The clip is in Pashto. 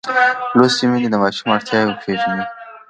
لوستې میندې د ماشوم اړتیاوې پېژني.